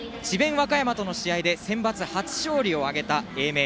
和歌山との試合でセンバツ初勝利を挙げた英明。